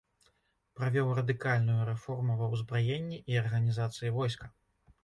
Правёў радыкальную рэформу ва ўзбраенні і арганізацыі войска.